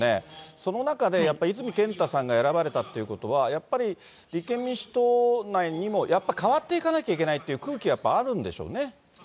その中でやっぱり泉健太さんが選ばれたということは、やっぱり立憲民主党内にも、やっぱ変わっていかなきゃいけないっていう空気がやっぱりあるんでしょうね。